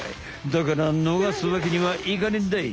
だからのがすわけにはいかねえんだい！